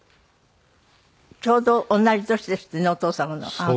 ちょうど同じ年ですってねお父様のあの時。